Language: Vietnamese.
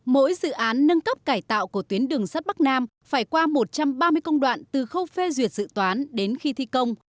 mỗi dự án nâng cấp cải tạo của tuyến đường sắt bắc nam phải qua một trăm ba mươi công đoạn từ khâu phê duyệt dự toán đến khi thi công